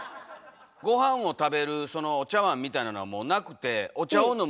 ごはんを食べるお茶わんみたいなのはもうなくてお茶を飲む